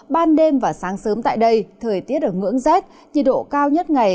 ban đêm và sáng sớm tại đây thời tiết ở ngưỡng rét nhiệt độ cao nhất ngày